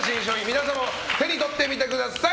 皆様も手に取ってみてください！